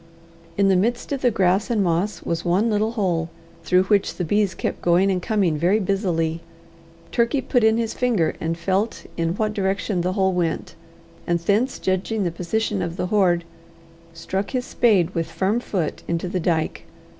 In the midst of the grass and moss was one little hole, through which the bees kept going and coming very busily. Turkey put in his finger and felt in what direction the hole went, and thence judging the position of the hoard, struck his spade with firm foot into the dyke.